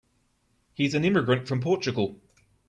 He's an immigrant from Portugal.